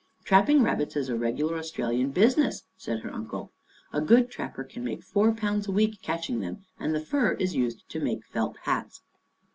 " Trapping rabbits is a regular Australian business," said her uncle. " A good trapper can make £4 a week catching them, and the fur is used to make felt hats."